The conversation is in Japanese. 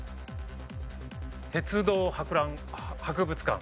鉄道博覧博物館。